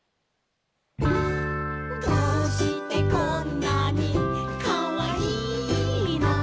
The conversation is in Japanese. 「どうしてこんなにかわいいの」